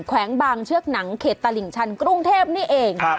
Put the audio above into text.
แขวงบางเชือกหนังเขตตลิ่งชันกรุงเทพนี่เอง